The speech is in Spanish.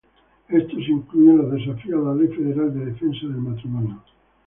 Estos incluyen los desafíos a la ley federal de defensa del matrimonio.